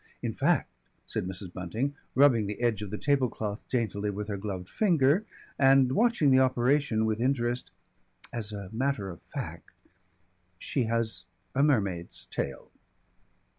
"In fact," said Mrs. Bunting, rubbing the edge of the tablecloth daintily with her gloved finger and watching the operation with interest, "as a matter of fact, she has a mermaid's tail."